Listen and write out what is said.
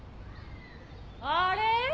あれ？